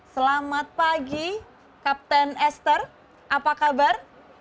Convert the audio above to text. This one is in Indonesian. selamat pagi kapten esther apa kabar